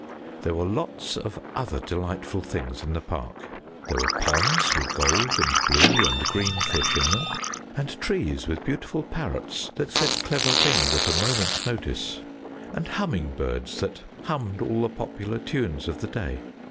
"There were lots of other delightful things in the park. There were ponds with gold and blue and green fish in them, and trees with beautiful parrots that said clever things at a moment's notice, and humming birds that hummed all the popular tunes of the day.